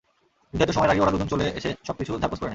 নির্ধারিত সময়ের আগেই ওরা দুজন চলে এসে সবকিছু ঝাড়পোঁছ করে নেয়।